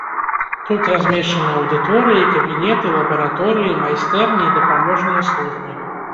Тут размешчаны аўдыторыі, кабінеты, лабараторыі, майстэрні і дапаможныя службы.